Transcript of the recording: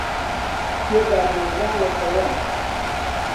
تێدا دۆزراوەتەوە